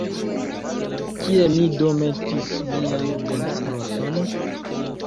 Kien mi do metis mian dentbroson?